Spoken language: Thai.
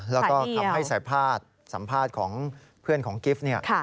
แล้วก็คำให้สัมภาษณ์สัมภาษณ์ของเพื่อนของกิฟต์เนี่ย